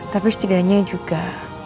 tapi setidaknya juga